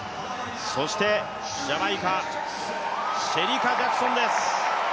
ジャマイカシェリカ・ジャクソンです。